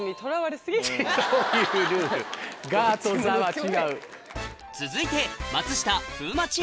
そういうルール「ガ」と「ザ」は違う続いて８。